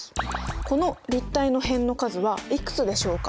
この立体の辺の数はいくつでしょうか？